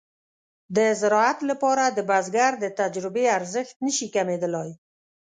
د زراعت لپاره د بزګر د تجربې ارزښت نشي کمېدلای.